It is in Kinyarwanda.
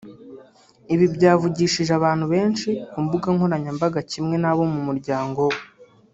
Ibi byavugishije abantu benshi ku mbuga nkoranyambaga kimwe n’abo mu muryango we